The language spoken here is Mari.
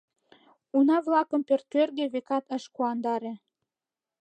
Уна-влакым пӧрткӧргӧ, векат, ыш куандаре.